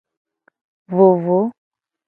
Vovo.